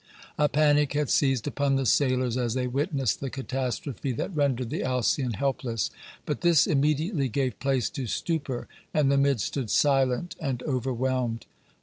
A panic had seized upon the sailors as they witnessed the catastrophe that rendered the Alcyon helpless, but this immediately gave place to stupor, and the men stood silent and overwhelmed.